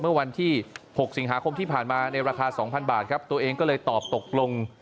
เมื่อวันที่๖สิงหาคมที่ผ่านมาในราคา๒๐๐บาทครับตัวเองก็เลยตอบตกลง